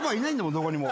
どこにも。